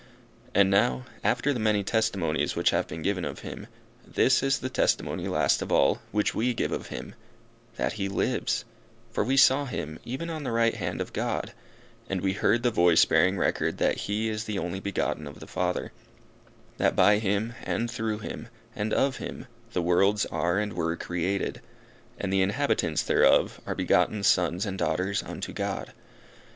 And now, after the many testimonies which have been given of him, this is the testimony last of all, which we give of him, that he lives; for we saw him, even on the right hand of God, and we heard the voice bearing record that he is the only begotten of the Father that by him and through him, and of him the worlds are and were created, and the inhabitants thereof are begotten sons and daughters unto God.